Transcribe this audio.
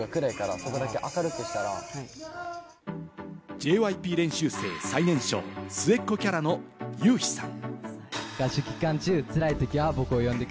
ＪＹＰ練習生最年少、末っ子キャラのユウヒさん。